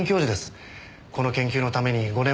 この研究のために５年前に招かれて。